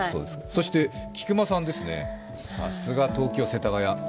そして菊間さんですね、さすが東京・世田谷。